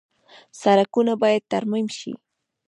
سړکونه باید ترمیم شي